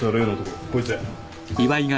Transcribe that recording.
こいつや。